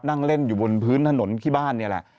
นั่งเล่นอยู่บนพื้นถนนที่บ้านนี่แหละ